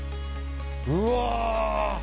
うわ！